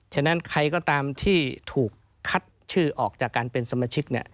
ฉะนั้นใครก็ตามที่ถูกคัดชื่อออกจากการเป็นสมาชิก